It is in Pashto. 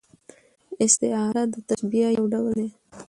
استعاره د تشبیه یو ډول دئ.